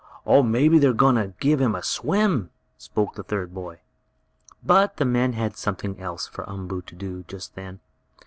"Maybe they're going to give him a swim," spoke a third boy. But the men had something else for Umboo to do just then.